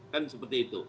kan seperti itu